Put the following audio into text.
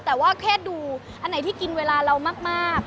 แต่ว่าแค่ดูอันไหนที่กินเวลาเรามาก